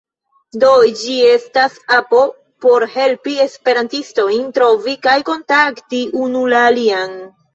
Do, ĝi estas apo por helpi esperantistojn trovi kaj kontakti unu la alian.